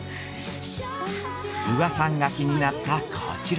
◆宇賀さんが気になったこちら。